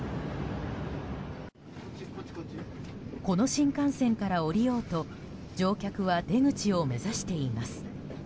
この新幹線から降りようと乗客は出口を目指しています。